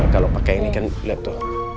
kalau pakai ini kan laptop